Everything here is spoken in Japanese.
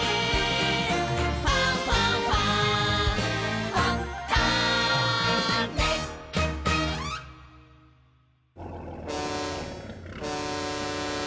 「ファンファンファン」ボボ！